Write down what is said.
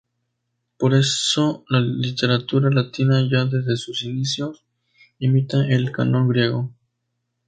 Por eso la literatura latina, ya desde sus inicios, imita el canon griego.